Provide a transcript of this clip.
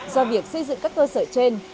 do việc xây dựng các cơ sở trên